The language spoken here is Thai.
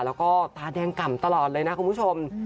แล้วก็ตาแดงกล่ำตลอดเลยนะคุณผู้ชม